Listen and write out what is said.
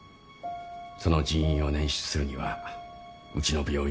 その人員を捻出するにはうちの病院だけじゃ駄目だ。